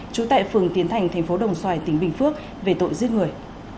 trú tại phường tiến thành tp đồng xoài tỉnh bình phước về tội giết người